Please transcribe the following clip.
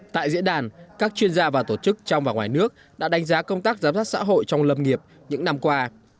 tại diễn đàn các chuyên gia và tổ chức trong và ngoài nước đã đánh giá công tác giám sát xã hội trong lâm nghiệp những năm qua